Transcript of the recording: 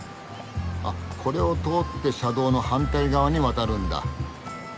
あこれを通って車道の反対側に渡るんだ。